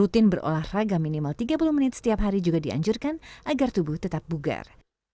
rutin berolahraga minimal tiga puluh menit setiap hari juga dianjurkan agar tubuh tetap bugar